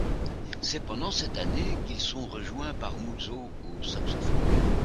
C'est pendant cette année qu'ils sont rejoints par Muzo au saxophone.